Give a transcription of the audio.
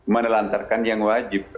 menelantarkan yang wajib